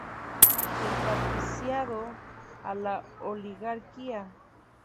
Del patriciado a la oligarquía.